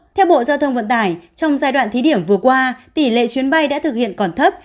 theo bộ giao thông vận tải trong giai đoạn thí điểm vừa qua tỷ lệ chuyến bay đã thực hiện còn thấp